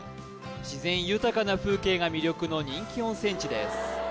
自然豊かな風景が魅力の人気温泉地です